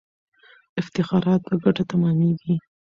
افتخارات په ګټه تمامیږي.